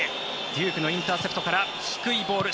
デュークのインターセプトから低いボール。